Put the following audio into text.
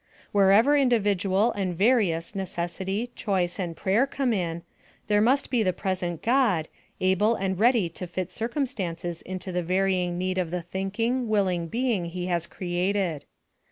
Wherever individual and various necessity, choice, and prayer, come in, there must be the present God, able and ready to fit circumstances to the varying need of the thinking, willing being he has created.